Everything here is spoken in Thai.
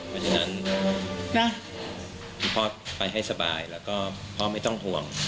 เพราะฉะนั้นพ่อไปให้สบายแล้วก็พ่อไม่ต้องห่วง